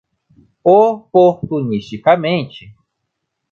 oportunisticamente